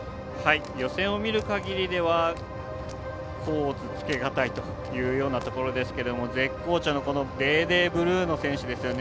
予選を見るかぎりは甲乙付けがたいというようなところですが絶好調のデーデーブルーノ選手ですね。